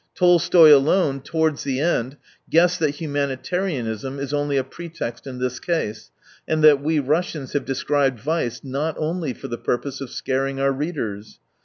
Tolstoy alone, towards the end, guessed that humani tarianism is only a pretext in this case, and that we Russians have described vice not only for the purpose of scaring our readers.